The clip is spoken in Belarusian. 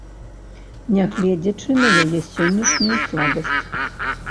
Нягледзячы на яе сённяшнюю слабасць.